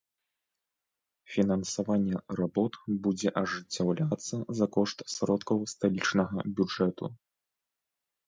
Фінансаванне работ будзе ажыццяўляцца за кошт сродкаў сталічнага бюджэту.